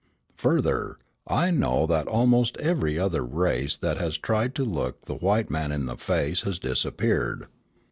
Further, I know that almost every other race that has tried to look the white man in the face has disappeared.